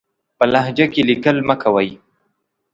په لهجه کې ليکل مه کوئ!